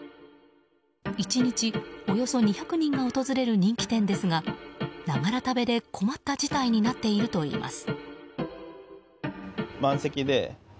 １日およそ２００人が訪れる人気店ですがながら食べで、困った事態になっているといいます。